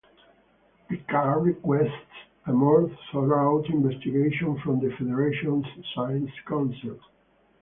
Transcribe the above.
Picard requests a more thorough investigation from the Federation's Science Council.